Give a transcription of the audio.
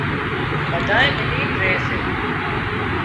ٻڌانئين ملين ري سي